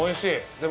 でも、